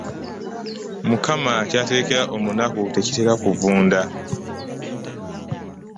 Mukama ky'aterekera omunaku tekitera kuvunda.